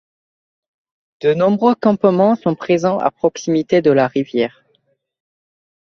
De nombreux campements sont présents à proximité de la rivière.